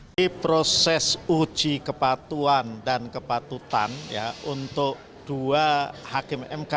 di proses uji kepatuan dan kepatutan untuk dua hakim mk